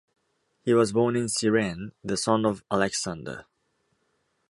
He was born in Cyrene, the son of Alexander.